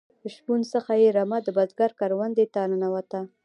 شپون څخه یې رمه د بزگر کروندې ته ننوته.